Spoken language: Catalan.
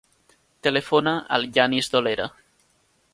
Telefona al Yanis Dolera.